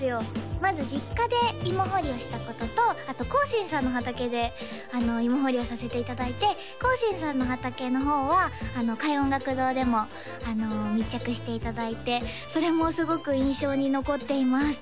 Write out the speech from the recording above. まず実家で芋掘りをしたこととあと興伸さんの畑で芋掘りをさせていただいて興伸さんの畑の方は開運音楽堂でも密着していただいてそれもすごく印象に残っています